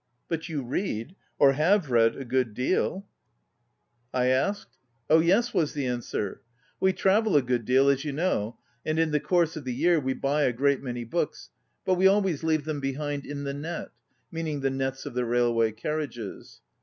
"But you read, or have read a good deal?" I 7 ON READING asked. "Oh, yes," was the answer; " we travel a good deal, as you know, and in the course of the year we buy a great many books; but we always leave them behind in the net," ŌĆö meaning the nets of the railway carriages.